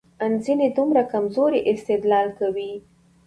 ان ځينې دومره کمزورى استدلال کوي،